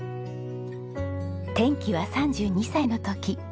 転機は３２歳の時。